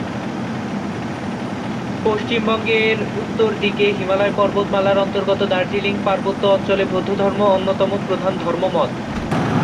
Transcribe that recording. পশ্চিমবঙ্গের উত্তর দিকে হিমালয় পর্বতমালার অন্তর্গত দার্জিলিং পার্বত্য অঞ্চলে বৌদ্ধধর্ম অন্যতম প্রধান ধর্মমত।